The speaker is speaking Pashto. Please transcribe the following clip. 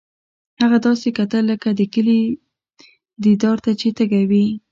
هغه داسې کتل لکه د کلي دیدار ته چې تږی وي